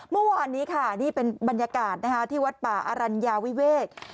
เมื่อวานนี้ค่ะนี่เป็นบรรยากาศที่วัดป่าอรัญญาวิเวก